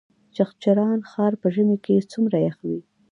چغچران ښار په ژمي کې څومره یخ وي؟